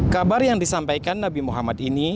kabar yang disampaikan nabi muhammad ini